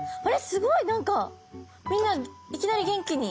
すごい何かみんないきなり元気に。